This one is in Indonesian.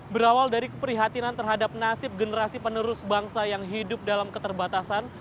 berawal dari keprihatinan terhadap nasib generasi penerus bangsa yang hidup dalam keterbatasan